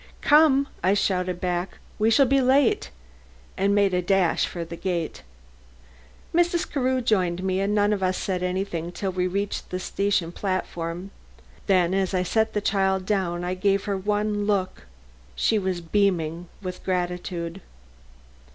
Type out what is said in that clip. "Come!" I shouted back, "we shall be late!" and made a dash for the gate. Mrs. Carew joined me, and none of us said anything till we reached the station platform. Then as I set the child down, I gave her one look. She was beaming with gratitude.